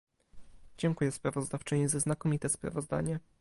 Dziękuję sprawozdawczyni za znakomite sprawozdanie